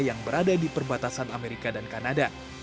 yang berada di perbatasan amerika dan kanada